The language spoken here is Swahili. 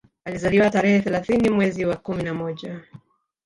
Alizaliwa tarehe thelathini mwezi wa kumi na moja